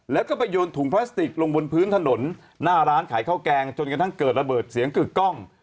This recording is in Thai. แล้วก็ไปโยนถุงพลาสติกลงบนพื้นถนนหน้าร้านขายข้าวแกงจนกระทั่งเกิดระเบิดเสียงกึกกล้อง